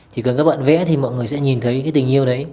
chỉ cần các bạn vẽ thì mọi người sẽ nhìn thấy cái tình yêu đấy